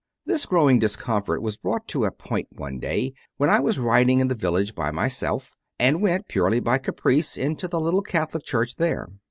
2. This growing discomfort was brought to a point one day when I was riding in the village by myself and went, purely by a caprice, into the little Catholic church there.